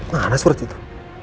mana surat itu